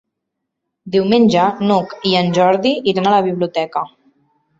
Diumenge n'Hug i en Jordi iran a la biblioteca.